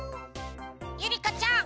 ゆりかちゃん！